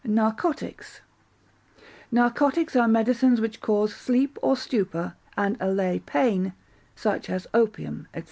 Narcotics Narcotics are medicines which cause sleep or stupor, and allay pain, such as opium, &c.